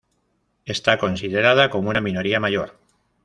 Está considerada como una "minoría mayor".